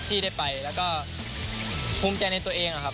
ที่ได้ไปแล้วก็ภูมิใจในตัวเองนะครับ